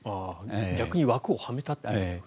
逆に枠をはめたという。